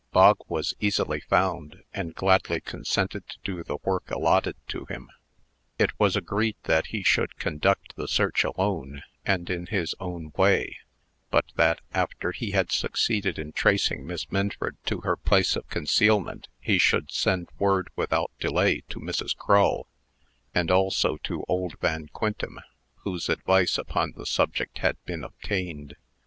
Bog was easily found, and gladly consented to do the work allotted to him. It was agreed that he should conduct the search alone, and in his own way; but that, after he had succeeded in tracing Miss Minford to her place of concealment, he should send word, without delay, to Mrs. Crull, and also to old Van Quintem, whose advice upon the subject had been obtained.